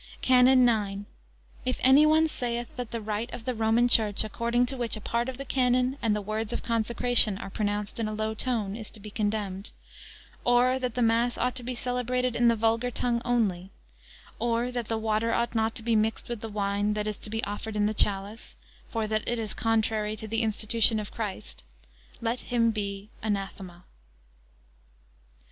CANON IX. If any one saith, that the rite of the Roman Church, according to which a part of the canon and the words of consecration are pronounced in a low tone, is to be condemned; or, that the mass ought to be celebrated in the vulgar tongue only; or, that water ought not to be mixed with the wine that is to be offered in the chalice, for that it is contrary to the institution of Christ; let him be anathema.